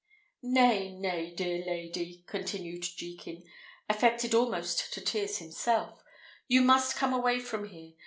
"Nay, nay, dear lady," continued Jekin, affected almost to tears himself; "you must come away from here.